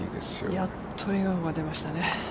やっと笑顔が出ましたね。